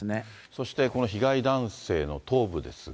そしてこの被害男性の頭部ですが。